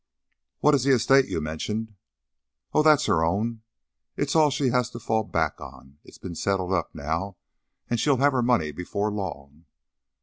"What is the estate you mentioned?" "Oh, that's her own! It's all she had to fall back on. It's bein' settled up now an' she'll have her money before long."